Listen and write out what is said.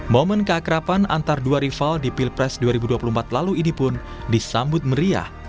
momen keakrapan antar dua rival di pilpres dua ribu dua puluh empat lalu ini pun disambut meriah